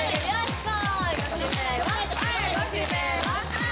はい！